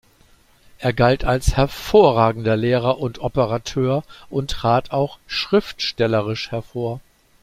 Er galt als hervorragender Lehrer und Operateur und trat auch schriftstellerisch hervor.